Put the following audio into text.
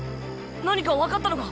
何か分かったのか？